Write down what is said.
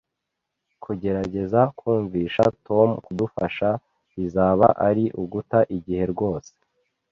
Kugerageza kumvisha Tom kudufasha bizaba ari uguta igihe rwose